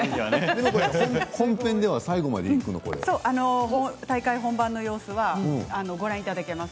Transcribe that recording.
本編では最後まで大会本番の様子ご覧いただきます。